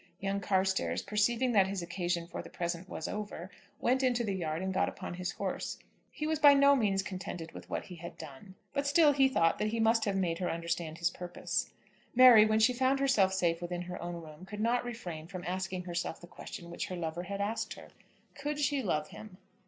Young Carstairs, perceiving that his occasion for the present was over, went into the yard and got upon his horse. He was by no means contented with what he had done, but still he thought that he must have made her understand his purpose. Mary, when she found herself safe within her own room, could not refrain from asking herself the question which her lover had asked her. "Could she love him?"